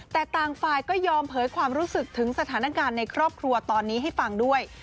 แต่ต่างฝ่ายก็ยอมเผยความรู้สึกถึงสถานการณ์ในครอบครัวตอนนี้ให้ฟังด้วย